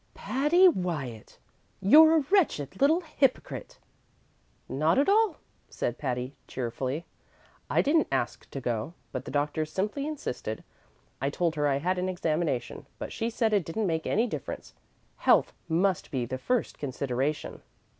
"Patty Wyatt, you're a wretched little hypocrite!" "Not at all," said Patty, cheerfully. "I didn't ask to go, but the doctor simply insisted. I told her I had an examination, but she said it didn't make any difference; health must be the first consideration."